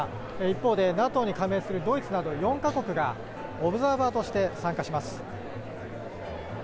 一方でＮＡＴＯに加盟するドイツなどオブザーバーとして参加します。